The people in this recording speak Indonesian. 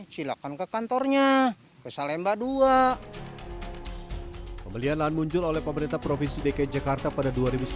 silakan ke kantornya ke salemba dua pembelian lahan munjul oleh pemerintah provinsi dki jakarta pada